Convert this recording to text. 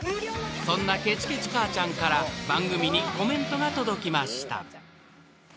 ［そんなケチケチ母ちゃんから番組にコメントが届きました］